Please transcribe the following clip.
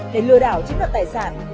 để lừa đảo chính đoạn tài sản